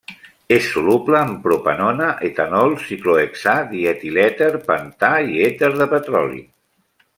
És soluble en propanona, etanol, ciclohexà, dietilèter, pentà i èter de petroli.